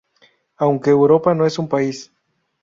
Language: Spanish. Aunque Europa no es un país.